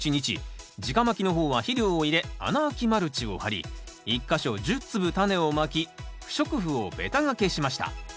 じかまきの方は肥料を入れ穴あきマルチを張り１か所１０粒タネをまき不織布をべた掛けしました。